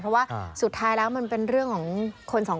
เพราะว่าสุดท้ายแล้วมันเป็นเรื่องของคนสองคน